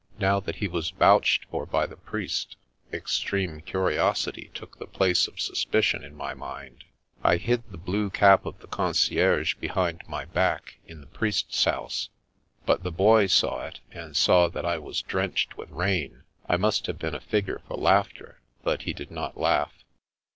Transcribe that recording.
Now that he was vouched for by the priest, ex treme curiosity took the place of suspicion in my mind. I hid the blue cap of the concierge behind my back, in the priest's house, but the Boy saw it, and saw that I was drenched with rain. I must have been a figure for laughter, but he did not laugh.